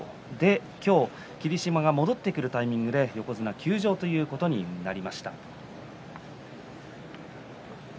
今日、霧島が戻ってくるタイミングで横綱休場ということになりました。